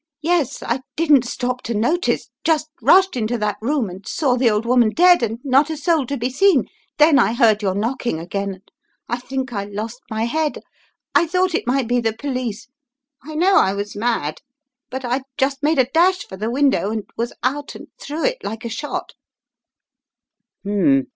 "Yes, I didn't stop to notice, just rushed into that room, and saw the old woman dead and not a soul to be seen. Then I heard your knocking again, and I think I lost my head — I thought it might be the police. I know I was mad, but I just made a dash for the window and was out and through it like a shot!"